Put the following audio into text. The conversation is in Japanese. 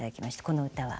この歌は。